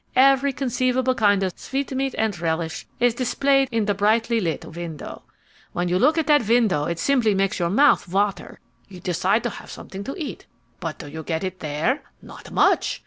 Every conceivable kind of sweetmeat and relish is displayed in the brightly lit window. When you look at that window it simply makes your mouth water. You decide to have something to eat. But do you get it there? Not much!